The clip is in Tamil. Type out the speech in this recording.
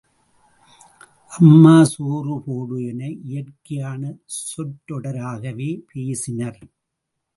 அம்மா சோறு போடு என இயற்கையான சொற்றொடராகவே பேசினர்.